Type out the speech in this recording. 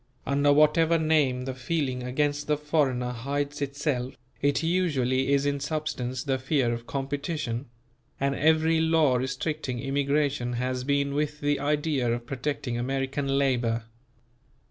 Under whatever name the feeling against the foreigner hides itself, it usually is in substance the fear of competition; and every law restricting immigration has been with the idea of protecting American labour.